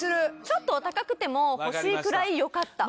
ちょっとお高くても欲しいくらい良かった。